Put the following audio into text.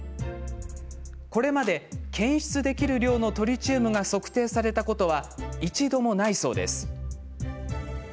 これまで検出できる量のトリチウムが測定されたことは一度も、ないそうです。